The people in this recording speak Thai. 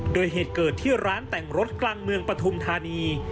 โดยเหตุเกิดที่ร้านแต่งรถกลางเมืองปฐุมธานี